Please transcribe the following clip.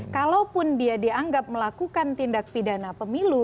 kalaupun dia dianggap melakukan tindak pidana pemilu